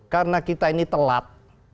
karena kita ini telat